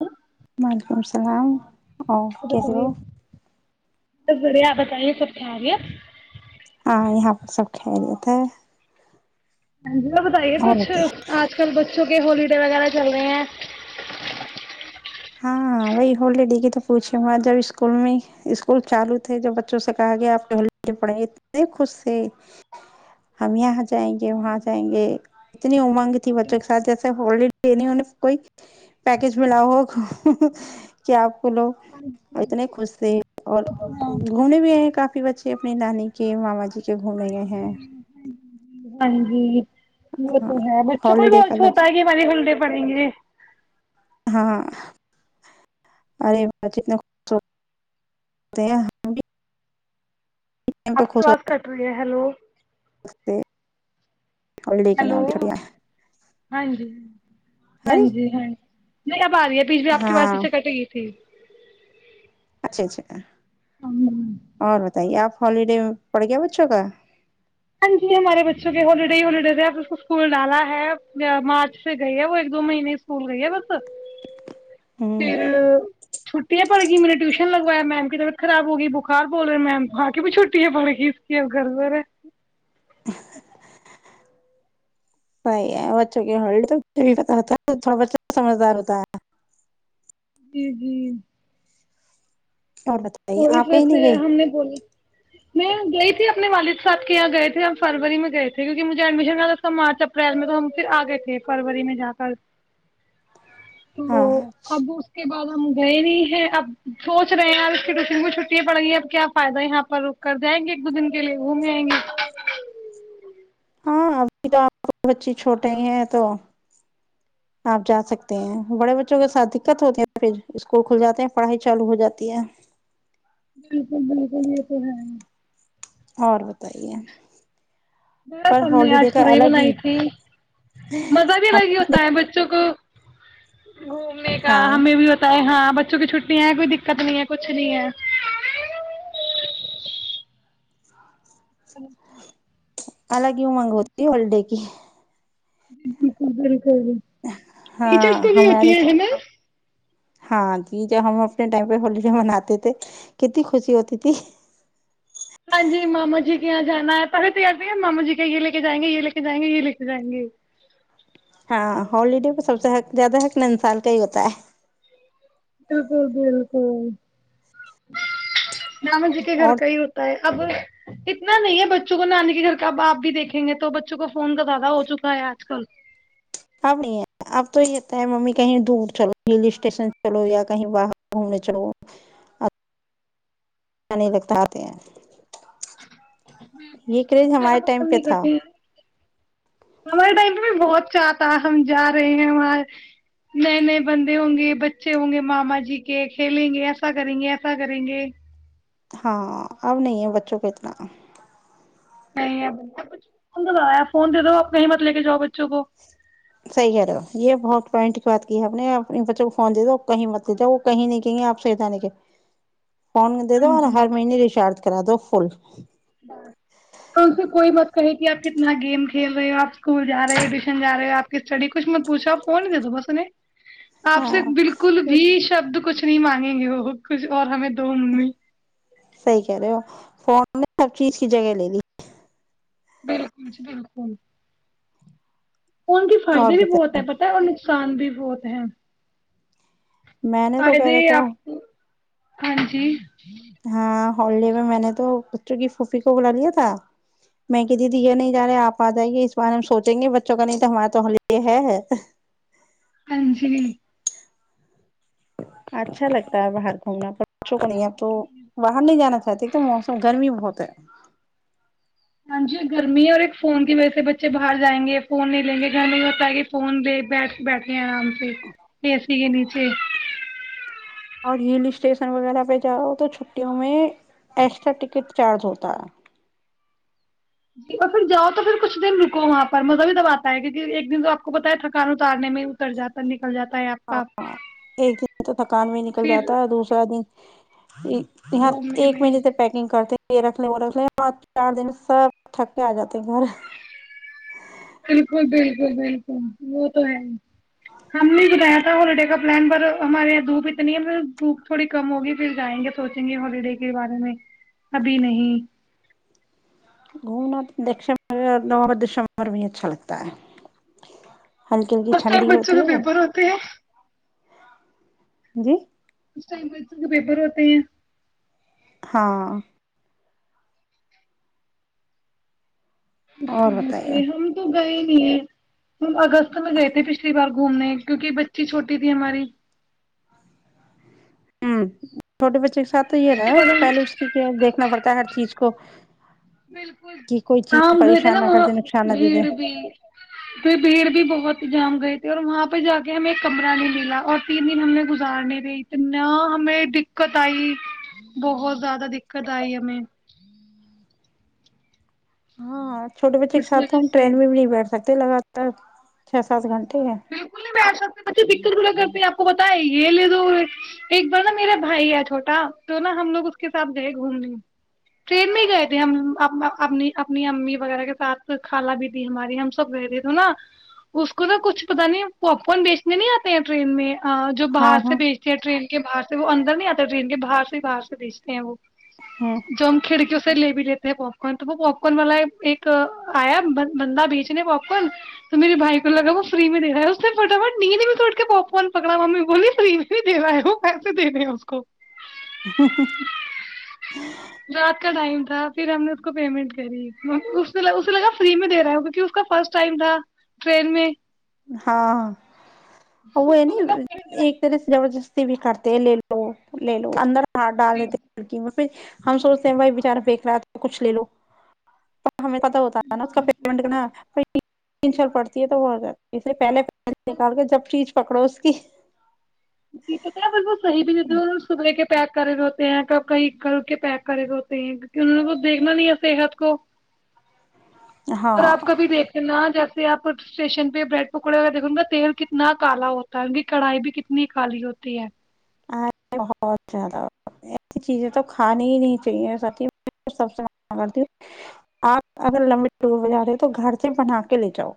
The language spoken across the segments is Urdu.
تو وعلیکم اللام او کی ج ہ بتائیے بس بڑھیا آپ بتائیے سب کیا آ رہی ہے ہاں یہاں پر سب کریت ہے ہاں جی وہ بتائیے اور رہتے ہیں۔ کچھ آج کل بچوں کہ ہولی کے وغیرہ چل رہے ہیں ہاں وہی ہولیڈے کی تو پوچھے ہو جب اسکول میں اسکول چالو تھے جب بچوں سے کہا گیا آپ کے ہولیڈے پڑھائی اتنے خوش تھے ہم یہاں جائیں گے وہاں جائیں گے اتنی امنگ تھی بچوں کے ساتھ جیسے ہولیڈے نہیں کوئی پیکج ملا ہو کیا آپ کو لوگ اتنے خوش تھ اور گھومنے بھی آئے گ کافی بچے اپنی نانی کے ماما جی کے گھومنے گئے ہیں ہان جی وہ ہاں تو ہے بچوں کو ہی ہولیڈے بول کا لگ چھوتا ہے کہ ہماراری ہلڈے پڑیں گے ہاں ارے باتتنا ہم بھی ٹائم پہ آپ کیواز کٹ رہی ہے ہلو رگتے ہولی کے نام ہیلو چڑیا ہاں جی ہاں جی ہاں جی نہیں آ رہی ہے بیچ بھی آپ کے پاس ہاں اسے کٹ گئی تھی اچھا اچھا اور بتائیے آپ ہالڈے پڑے گیا بچو کا ہاں جی ہمارے بچوں کے ہالیڈے ہی ہوالڈے تھ اب اس کو اسکول ڈالا ہے مارچ سے گئی ہے وہ ایک دو مہینے اسکول گئی ہے بس ہوں پھر چھٹیں پڑ گی م نے ٹیوشن لگوایا میم کی طبیعت خراب ہوگئی بخار بول رہے میم ہاں کہ چھٹیں پڑ گی اس کی گر ہے صحیح ہے بچوں کی ہی تو بھی پت ہوتا ہے تھوڑا بچہ سمجھدار ہوتا ہے جی جی اور بتائیے تو اس آپ کہیں وجس نہیں گئے ہم نے بولی میں گئی تھی اپنے والد صاحب کے یہاں گئے تھے ہم فروری میں گئے تھے کیونکہ مجھے ایڈمیشن لا تھا مارچ اپریل میں تو ہم پھر آ گئے تھے فروری میں جا کر تو ہاں اب اس کے بعد [inaudible] ہم گئے نہیں ہیں اب سوچ رہے ہیں وشن کو چھٹیاں پڑ گی ہیں اب کیا فائد ہے یہاں پر رک کر جائیں گے ایک دو دن کے لیے گھوم جیں گے ہاں ابھی تو آپ بچے چھوٹے ہی ہیں تو آپ جا سکتے ہیں بڑے بچوں کے ساتھ دقت ہوتی ہے پھر اسکول کھل جاتے ہیں پڑھائی چالو ہو جاتی ہے بالکل بالکل یہ تو ہے اور بتائیے بس پر ہم نے ہالیڈے آج کا توری الگ ہی بنائی تھی مزہ بھی الگ ہی ہوتا ہے بچوں کو گھومنے کا ہاں ہمیں بھی بت ہے ہاں بچوں کی چھٹییاں ہیں کوئی دقت نہیں ہے کچھ نہیں ہے ہیلو الگ ہی مانگ ہوتی ہے ہوالڈے کی بالکل ہاں ٹیچرس کو بھی ہمارے ہوتی ہے نا ہاں جی جب ہم اپنے ٹائم پہ ہولیڈے مناتے تھے کتنی خوشی ہوتی تھی ہاں جی ماما جی کے یہاں جانا ہے پہلے تیار د ماما جی کے یہ لے کے جائیں گے یہ لے کے جائیں گے یہ لے کے جائیں گے ہاں ہالڈے کو سب سے حق زیادہ حق ن ان سال کا ہی ہوتا ہے بالکل بالکل ج مج جے کہ گھر اور کا ہی ہوتا ہے اب اتنا نہیں ہے بچوں کو نانی کے گھر کا اب آپ بھی دیکھیں گے تو بچوں کا فون تو زیادہ ہو چکا ہے آج کل اب نہیں ہے اب تو یہ ہوتا ہے ممی کہیں دور چلو ہل اسٹیشن چلو یا کہیں باہر گھومنے چلوچ نہیں لگتا آتے ہیں یہ کریز ا ہمارے ٹائم پسند پہ نہیں تھا کرتی ہمارے ٹائم پ میں بہت چاہتا ہم جا رہے ہیں وہاں نئے نئے بندے ہوں گے بچے ہوں گے ماما جی کے کھیلیں گے ایسا کریں گے ایسا کریں گے ہاں اب نہیں ہے بچوں کو اتنا نہیں ف فون ج آپ مطلب کہ جؤ سی کر رہو یہ بہت پوائنٹ کی بات کی ہے آپ نے اپنے بچوں کو فون دے دو کہیں مت دےجؤ وہ کہیں نہیں کہ آپ سےتا نہیں کے فن د ہاں تھا جی ہر مہینے ریچارج کرر دو فول ان سے کوئی بات کہی تھی آپ کتنا گیم کھیل رہے ہو آپ اسکول جا رہے ہو جا رہے ہوپ کی اسٹڈی کو قسمت پوچا فون د دو بس نے [inaudible] آپ سے ہاں بالکل یہ بھی شبد کچھ ک نہیں مانگیں گے وہ کچھ اور ہمیں دو ممی صحیح کہہ رہے ہو فون نے سر چیز کی جگہ لے لی بالکل جی بالکل ان کے فائد اور بھی بت بہت ہے پت ہے اور نقصان بھی بہت ہے میں نے تو کہہ فائدے رکھا آپ کو ہاں جی ہاں ہالڈے میں میں نے تو بچوں کی پھوپھی کو بلا لیا تھا میں ک د دیا نہیں جا رہا آپ آ جائیے اس بار ہم سوچیں گے بچوں کا نہیں تو ہمارا تو ہالڈے ہے اجلی [unintelligible] ہ [inaudible] اچھا لگتا ہے باہر گھومنا پر بچھوں کو نہیں آپ تو بالکل بالکل باہر نہیں جانا چاہتے تو موسم گرمی بہت ہے ہاں جی گرمی اور ایک فون کی وجہ سے بچے باہر جائیں گے فون نہیں لیں گے گھر نہیں ہوتا ہے کہ فون دے بیٹھ بیٹھے ہیں آرام سے اے سی کے نیچے اور ہل اسٹیشن وغیرہ پہ جاؤ تو چھٹیوں میں ایکسٹرا ٹکٹ چارج ہوتا جی اور پھر جاؤ تو پھر کچھ دن رکو وہاں پر مزہ بھی تب آتا ہے کیونکہ ایک دن تو آپ کو پتاہ ہے تھکان اتارنے میں اتر جاتا ہے نکل جاتا ہے آپ ہاں کا ہاں ایک دن تو تھکان بھی نکل پھر جاتا ہے دوسرا دن یہاں گھومنے ایک میں مہی ت پیکنگ کرتے یہ رکھ لیں وہ رکھ لیں اور چار دن سب تھک کے آ جاتے گھر بالکل بالکل بالکل وہ تو ہے ہم نے سنایا تھا ہالیڈے کا پلان پر ہمارے یہاں دھوپ اتنی ہے ہم دھوپ تھوڑی کم ہوگی پھر جائیں گے سوچیں گے ہالڈے کے بارے میں ابھی نہیں گھومنا دیکتے بھی اچھا لگتا ہے ہلکی ہلکی اسٹ ٹھنڈی بچوں ن ہوتی ہے پیپر ہوتے ہے جی اس ٹائم پ ب کے پیپر ہوتے ہیں ہاں ا اور ج بتائیے ہم تو نہیں ہے ا ر م میں گئے تھ پچلی بار گھومنے کیونکہ بچی چھوٹی تھی ہماری ہوں چھوٹے بچے تو یہ اس نا کے بعد ہم پہلے اس کی کیا دیکھنا پڑتا ہر چیز کو بالکل کہ کوئی شام چیز گئے تھے نا پریشان نہ کر وہاں دے نقصان نہ دے بھیڑ دے بھی پھر بھیڑ بھی بہت جام گئے تھے اور وہاں پہ جا کے ہمیں کمرہ نہیں ملا اور تین دن ہمیں گزار نہیں رہئی تو نہ ہمیں دقت آئی بہت زیادہ دقت آئی ہمیں ہاں چھوٹے بچے ایک اس ساتھوں وجہ سے ٹرین میں بھی نہیں بیٹتے سکتی لگاتا چھ سات گھنٹہ بالکل نہیں ب سکتے بچے کرتے آپ کو بتا یہ لے دو ایک بار نا میرا بھائی ہے چھوٹا تو نا ہم لوگ اس کے ساتھ گئے گھومنے ٹرین میں گئے تھے ہم اپنی اپنی امی وغیرہ کے ساتھ کھانا بھی تھی ہماری ہم سب گئے تھے تو نا اس کو نا کچھ پتا نہیں وہ اپون بیچنے نہیں آتے ٹرین میں جو ہاں باہر سے ہاں بیچتی ہے ٹرین کے باہر سے وہ اندر نہیں آتا ٹرین کے باہر سے ہی باہر سے بیچتے ہیں وہ ہ جم کھڑ کی س لے بھی لیتے ہیں پاپ کارن تو وہ پاپ کارن والا ایک آیا بندہ بیچنے پاپ کارن تو میرے بھائی کو لگا وہ فری میں دے رہا ہے اس نے فٹافٹ نیندے میں توڑ کے پاپ فون پکڑا ممی بولیے فری میں دے رہا ہے وہ پیسے دنےے ہیں اس کو رات کا ٹائم [inaudible] تھا پھر ہم نے اس کو پیمنٹ کری اسے لگا فری میں دے رہا ہ کیکہ اس کا فرسٹ ٹائم تھا ٹرین میں ہاں ا اس ہے کو لگا نہیں فری دے رہا ایک طرح سے زبر جست بھی کرتے لے لو لے لو اندر س ڈال دیتے ہے کڑی میں ہم سوچتے ہیں بھائی بیچارا پھییک رہا تھا کچھ لے لو ہمیں پت ہوتا ہے نا اس کا پیمنٹ تین سال پڑتی ہے تو وہ ہو جاتا ہے اس سے پہلے نکال کے جب فریج پکڑو اس کی ج پت ہے ب وہ صح بھی نہیں صبح کے پیک کرے ہوئے ہوتے ہیں کب کہیں اک ا کے پیک کرے ہوئے ہوتے ہیں کیکہ انہوں کو دیکھنا نہیں ہے صحت کو ہاں اور آپ کبھی دیکھ نہ جا جے آپ اسٹیشن پہ بریڈ پکوڑے وغیرہ دیکھ کا تیل کتنا کالا ہوتا ہے ان کی کڑھائی بھی کتنی کالی ہوتی ہے بہت زیادہ ایسی چیزیں تو کھانانی ہی نہیں چاہیے س سب سے کرتی ہ آپ اگر لمبے ٹور پہ جا رہے ہو تو گھر سے بنا کے لے جاؤ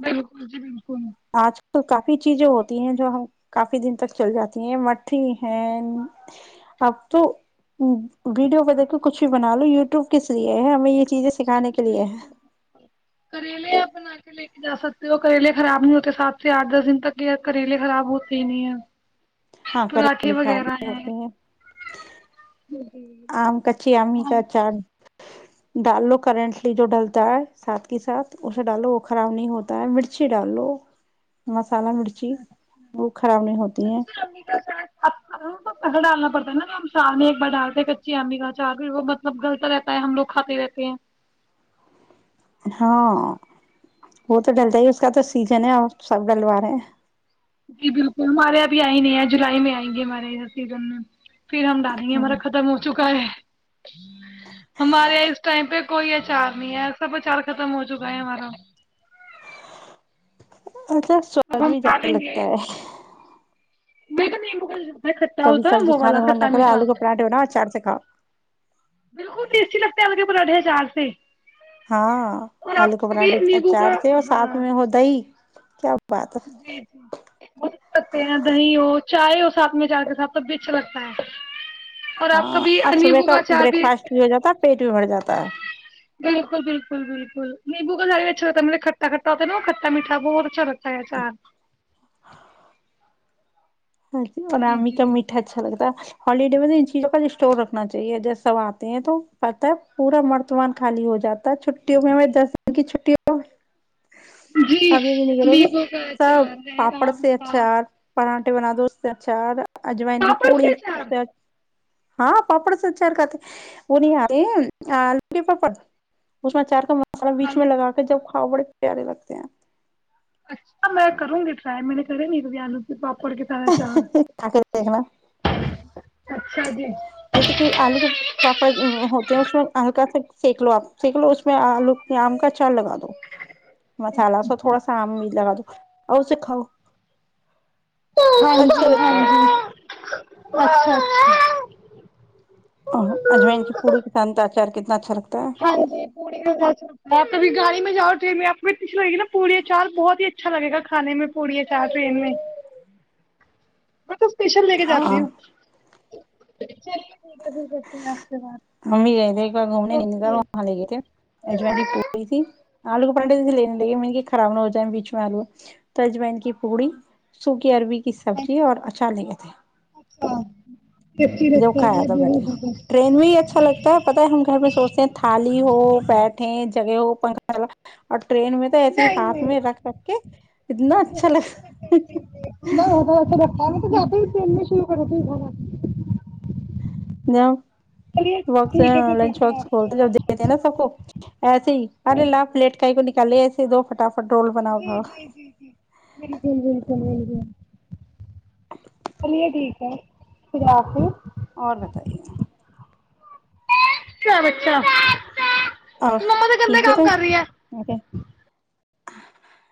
بالکل جی بالکل آج کل کافی چیزیں ہوتی ہیں جو ہم کافی دن تک چل جاتی ہیں مٹھی ہیں اب تو ویڈیو کو دیک کے کچھ بھی بنا لو یوٹیوب کے ریعے ہے ہمیں یہ چیزیں سکھانے کے لیے ہے کریلے آ بنا کے لے کے جا سکتے وہ کریلے خراب نہیں ہوتے سات سے آٹھ دس دن تک یہ کریلے خراب ہوتے ہی نہیں ہے ہاں پراٹے کریلے وغیرہ کھانے ہے ہوتے ہیں آم کاچ امی کا چان ڈال لو کرنٹلی جو ڈلتا ہے ساتھ کی ساتھ اسے ڈالو وہ خراب نہیں ہوتا ہے مرچی ڈال لو م مسالہ مرچی وہ خراب نہیں ہوتی ہے پسا ڈالنا پڑتا ہے نا ہم چار میں ایک بار ڈالتے کچی امی کا چا بھی وہ مطلب گلتا رہتا ہے ہم لوگ کھاتے رہتے ہیں ہاں وہ تو ڈلتا ہی اس کا تو سیزن ہے ا سب ڈلوا رہے ہیں جی بالکل ہمارے ابھی آ ہی نہیں ہے جولائی میں آئیں گے ہمارے اھر سیزن میں پھر ہم ڈالیں گے ہما خم ہو چکا ہمارے یہ اس ٹائم پہ کوئی اچار نہیں ہے سب اچار ختم ہو چکا ہے ہمارا اک اب سواد ہم بھی زیادہ لگتا ہے ج [unintelligible] کھا کبھی ہوتا ہے سبزی نا کھانے وہا کا من نہ کھٹا کرے میٹھا آلو کے پراٹھے بناؤ اچار سے کھاؤ بالکل ٹیسٹی لگتا ہے م رٹے چار سے ہاں اور آلو آپ کو بھی پراٹھے نیمبو کا چاٹتے اور ساتھ ہاں میں ہو د ہی کیا بات ہے جی جی م پتے ہیں دی اور چائے اس ساتھ میں چائے کے ساتھ تو بیچ لگتا ہے اور آپ ہاں کبھی اور صبح نیمبو کا اچار بریک فاسٹ بھی ہو جاتا ہے پیٹ بھی بھر جاتا ہے بالکل بالکل بالکل نبو گز اچھا ہوتا مطلب کھٹا کھا ہوتے نا کھٹا مٹھا بہت اچھا لگتا س سار ہاں جی اور م کاا جی میٹھا اچھا لگتا ہالیڈے میں تو ان چیزوں کا اسٹور رکھنا چاہیے جب سب آتے ہیں تو پتا ہے پورا مرتمان خالی ہو جاتا ہے چھٹیوں میں دس دن کی چھٹیوں جی میں آپ یقین نہیں کرو گے نیبو کا چار رہے آم کا پڑ بنا دو اس ا چار اجوائن کی پاپڑ پوڑی کے اچار سے ہاں پاپڑ سے چار کاتے وہ نہیں آتے لو کے پاپڑ اس میں چار کا اپنا بیچ میں آلو لگا کے جب ہاں بڑے پیارے لگتے ہیں اچھا میں کروں گی رائی م نے کے نہیں پپ ت دیکنا [unintelligible] اچھا جی جیسے کہ آلو کے پاپڑ ہوتے ہیں اس میں ہلکا سا سینک لو آپ سینک لو اس میں آلو کے آم کا چار لگا دو مسالا سو تھوڑا سا آم بھی لگا دو اور س کاؤ [inaudible] ہاں جی ہاں ج ا ہاں اور اجم ان کی پوڑی کیسانتا خارتناچھا را ہاں جی پوڑی کا گاانی میںجاؤ ٹن میں آپ کو اتچ لگ گی نا پوڑی چاول بہت ہی اچھا لگے گا کھانے میں پوڑی چار ٹرین میں [unintelligible] میں توب اسپیشل لے کے جاتی ہاں ہوں اچھ ہممی گئے تھ ایک بار سے گھومنے نہیں تھا اوکے وہاں لے گئے تھے اجمائن کی پوڑی اچھا تھی آلو کو پٹےے لینے لگے خراب نہ ہو جائے بیچ میں آلو تو اجمائن کی پوڑی سوک اروی کی سبزی اور اچانگ تھ ہے ہاں جو کھایا تھا بیٹے ٹرین میں ہی اچھا لگتا ہے پتہ ہے ہم گھر میں سوچتے ہیں تھالی ہو بیٹھے جگ وہ پھ [unintelligible] ٹرین میں تو ایسے ہی ہاتھ میں رکھ رکھ کے اتنا اچھا بہت اچھ لگتا بہت اا را ہے تو جاتے ہی میں تو کرا ت ب آ [unintelligible] ائول ج دتے نا سب کو ایسے ہی ارے لاپ لیٹک ہی کو [unintelligible] کلے ایسے دو فٹافے جی جی جی جی بالکل بالکل بالکل چلیے ٹھیک ہے خھر آفو اور بتائیے کیا بچھا [unintelligible] ا ٹھیک ہے تو